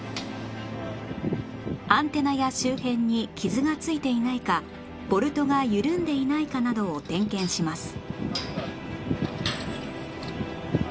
アンテナや周辺に傷がついていないかボルトが緩んでいないかなどを点検します